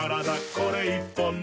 これ１本で」